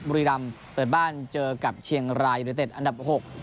บุรีรำเปิดบ้านเจอกับเชียงรายยูนิเต็ดอันดับ๖